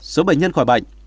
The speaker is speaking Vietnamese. một số bệnh nhân khỏi bệnh